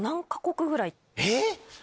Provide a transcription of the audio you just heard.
えっ？